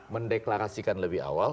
mendeklarasikan lebih awal